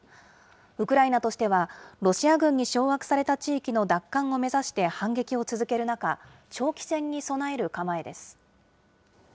ウクライナとしては、ロシア軍に掌握された地域の奪還を目指して反撃を続ける中、長期戦に備える構えです。